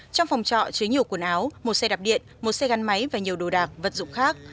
trong phòng trọ chứa nhiều quần áo một xe đạp điện một xe gắn máy và nhiều đồ đạc vật dụng khác